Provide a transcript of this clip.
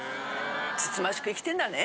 慎ましく生きてんだね。